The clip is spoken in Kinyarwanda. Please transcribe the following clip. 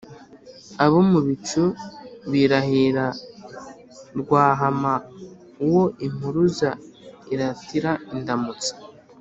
Abo mu bicu birahira RwahamaUwo impuruza iratira indamutsa